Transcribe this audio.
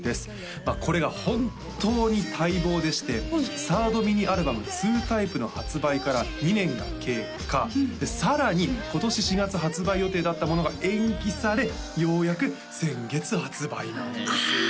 まあこれが本当に待望でして３ｒｄミニアルバム「２Ｔｙｐｅ」の発売から２年が経過さらに今年４月発売予定だったものが延期されようやく先月発売なんですよあ！